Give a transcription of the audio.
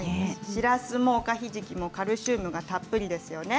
しらすもおかひじきもカルシウムたっぷりですね。